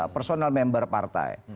personal member partai